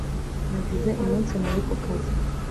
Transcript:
Nagize umunsi mubi ku kazi